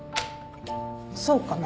そうかな？